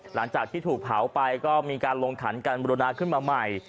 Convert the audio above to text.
หลังจากที่ถูกเผาไปก็มีการลงขันการบรินาขึ้นมาใหม่